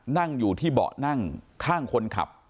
นั่งอยู่ที่เบาะนั่งข้างคนขับ